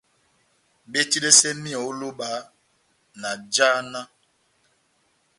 Betidɛsɛ míyɔ ó lóba na jána.